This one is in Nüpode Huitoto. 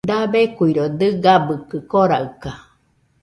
Dabeikuiro dɨgabɨkɨ koraɨka